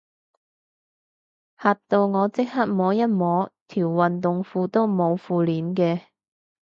嚇到我即刻摸一摸，條運動褲都冇褲鏈嘅